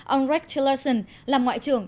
ông rex tillerson là ngoại trưởng